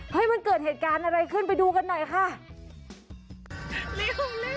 เฮ้ยมันเกิดเหตุการณ์อะไรขึ้นไปดูกันหน่อยค่ะเร็วเร็ว